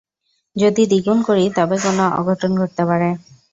যদি দ্বিগুণ করি তবে কোনো অঘটন ঘটতে পারে!